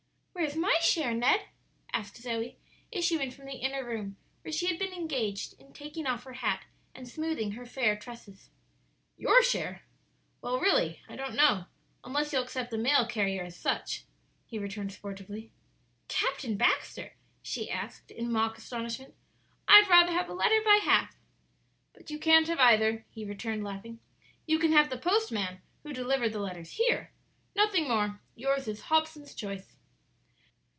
"Where's my share, Ned?" asked Zoe, issuing from the inner room, where she had been engaged in taking off her hat and smoothing her fair tresses. "Your share? Well, really I don't know; unless you'll accept the mail carrier as such," he returned sportively. "Captain Baxter?" she asked in mock astonishment. "I'd rather have a letter by half." "But you can't have either," he returned, laughing; "you can have the postman who delivered the letters here nothing more; yours is 'Hobson's choice.'"